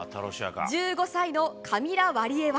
１５歳のカミラ・ワリエワ。